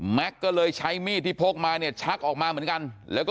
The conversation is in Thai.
ก็เลยใช้มีดที่พกมาเนี่ยชักออกมาเหมือนกันแล้วก็